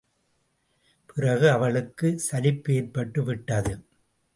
பிறகு அவளுக்குச் சலிப்பேற்பட்டுவிட்டது.